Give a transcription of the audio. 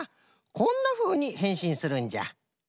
こんなふうにへんしんするんじゃ。